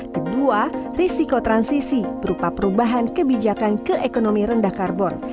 kedua risiko transisi berupa perubahan kebijakan keekonomi rendah karbon